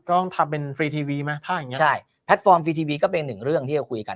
ต้องทำเป็นฟรีทีวีไหมผ้าอย่างเงี้ใช่แพลตฟอร์มฟรีทีวีก็เป็นหนึ่งเรื่องที่จะคุยกัน